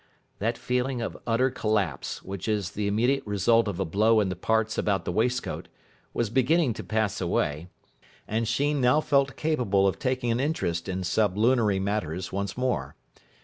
That feeling of utter collapse, which is the immediate result of a blow in the parts about the waistcoat, was beginning to pass away, and Sheen now felt capable of taking an interest in sublunary matters once more.